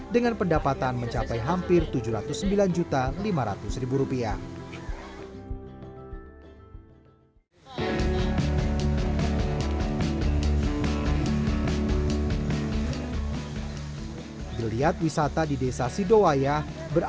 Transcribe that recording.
dengan pendapatan mencapai hampir tujuh ratus sembilan lima ratus rupiah